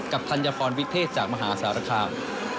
ธัญพรวิเทศจากมหาสารคาม